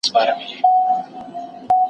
ټولنه د مادي او معنوي کلتور په لور روانه ده.